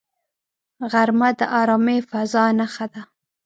غرمه د آرامې فضاء نښه ده